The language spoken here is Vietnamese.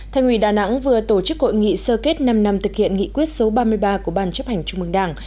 thành ủy đà nẵng vừa tổ chức hội nghị sơ kết năm năm thực hiện nghị quyết số ba mươi ba của ban chấp hành trung mương đảng